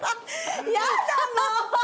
やだもう。